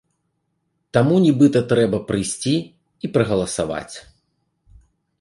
Таму, нібыта, трэба прыйсці і прагаласаваць.